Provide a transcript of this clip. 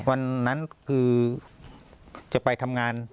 วันนั้นคือจะไปทำงาน